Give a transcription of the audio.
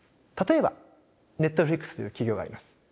例えばネットフリックスという企業があります。